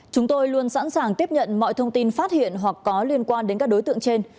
chúng tôi luôn sẵn sàng tiếp nhận mọi thông tin phát hiện hoặc có liên quan đến các đối tượng trên